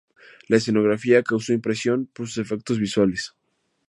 La escenografía causó impresión por sus efectos visuales.